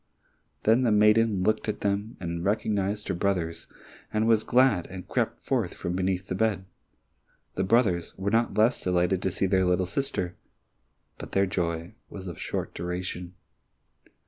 Then the maiden looked at them and recognized her brothers, was glad and crept forth from beneath the bed. The brothers were not less delighted to see their little sister, but their joy was of short duration.